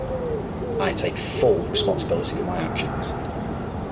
I take full responsibility for my actions.